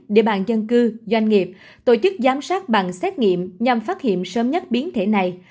địa bàn dân cư doanh nghiệp tổ chức giám sát bằng xét nghiệm nhằm phát hiện sớm nhất biến thể này